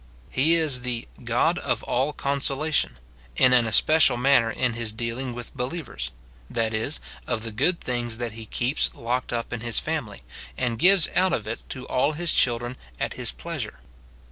He is the " God of all consolation," in an especial manner in his dealing with believers ; that is, of the good things that he keeps locked up in his family, and gives out of it to all his children at his plea sure.